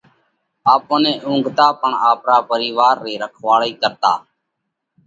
آپ نہ اُونگھاتا پڻ آپرا پرِيوَار رئِي رکواۯئِي ڪرتا۔